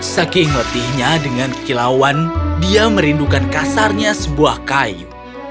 saking letihnya dengan kekilauan dia merindukan kasarnya sebuah kayu